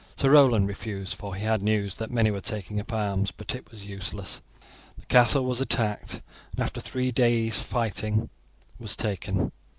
Sir Roland refused, for he had news that many were taking up arms, but it was useless. The castle was attacked, and after three days' fighting, was taken.